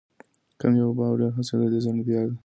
کمې اوبه او ډېر حاصل د دې ځانګړتیا ده.